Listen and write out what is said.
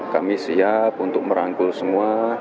kami siap untuk merangkul semua